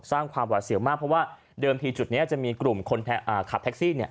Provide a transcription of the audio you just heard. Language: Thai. สร้างความหวาดเสียวมากเพราะว่าเดิมทีจุดนี้จะมีกลุ่มคนขับแท็กซี่เนี่ย